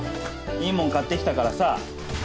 いいもん買ってきたからさ。